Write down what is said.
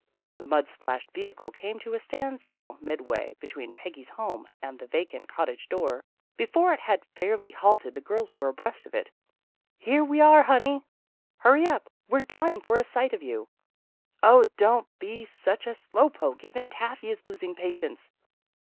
" The mud splashed vehicle came to a stand still midway between Peggy's home and the THE RETURN OF PEGGY vacant cottage next door. Before it had fairly halted the girls were abreast of it. " Here we are, honey! "" Hurry up! We're dying for a sight of you." " O, don't be such a slow poke. Even Taffy is losing patience."